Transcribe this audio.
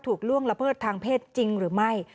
ล่วงละเมิดทางเพศจริงหรือไม่